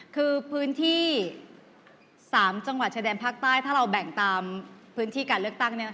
คือพื้นที่๓จังหวัดชายแดนภาคใต้ถ้าเราแบ่งตามพื้นที่การเลือกตั้ง